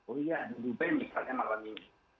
oh iya di duben misalnya malam ini